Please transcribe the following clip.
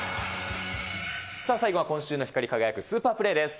さあ、最後は今週の光り輝くスーパープレーです。